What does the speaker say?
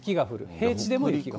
平地でも雪が。